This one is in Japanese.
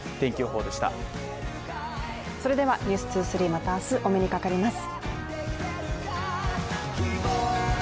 「ｎｅｗｓ２３」また明日、お目にかかります。